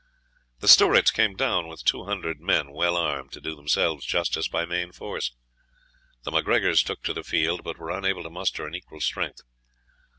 The Stewarts came down with two hundred men, well armed, to do themselves justice by main force. The MacGregors took the field, but were unable to muster an equal strength.